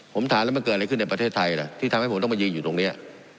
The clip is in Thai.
ผมถามแล้วมันเกิดอะไรขึ้นในประเทศไทยล่ะที่ทำให้ผมต้องมายืนอยู่ตรงนี้